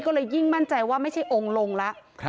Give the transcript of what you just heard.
ก็เลยยิ่งมั่นใจว่าไม่ใช่องค์ลงแล้ว